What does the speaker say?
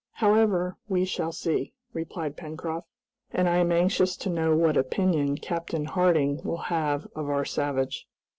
"However, we shall see," replied Pencroft, "and I am anxious to know what opinion Captain Harding will have of our savage.